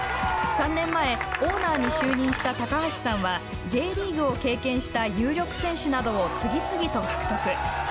３年前、オーナーに就任した高橋さんはＪリーグを経験した有力選手などを次々と獲得。